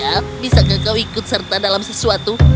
eh yang mulia bisakah kau ikut serta dalam sesuatu